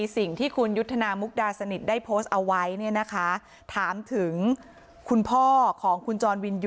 สิ่งที่คุณยุทธนามุกดาสนิทได้โพสต์เอาไว้เนี่ยนะคะถามถึงคุณพ่อของคุณจรวินยู